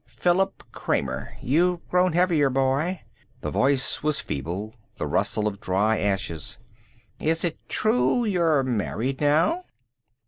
Philip Kramer.... You've grown heavier, boy." The voice was feeble, the rustle of dry ashes. "Is it true you're married now?"